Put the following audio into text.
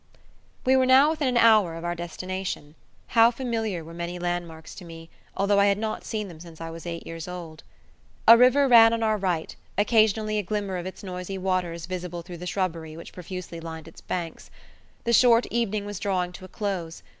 We were now within an hour of our destination. How familiar were many landmarks to me, although I had not seen them since I was eight years old. A river ran on our right, occasionally a glimmer of its noisy waters visible through the shrubbery which profusely lined its banks. The short evening was drawing to a close.